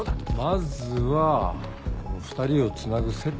まずはこの２人をつなぐ接点だよね。